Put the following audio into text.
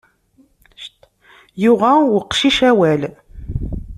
Yuɣa uqcic awal.